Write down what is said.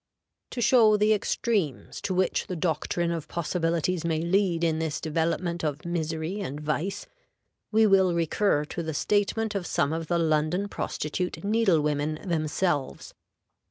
To show the extremes to which the doctrine of possibilities may lead in this development of misery and vice, we will recur to the statement of some of the London prostitute needle women themselves.